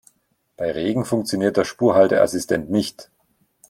Bei Regen funktioniert der Spurhalteassistent nicht.